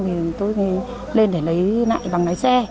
thì tôi lên để lấy lại bằng lái xe